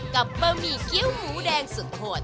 บะหมี่เกี้ยวหมูแดงสุดโหด